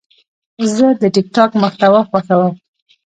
زه د ټک ټاک محتوا خوښوم.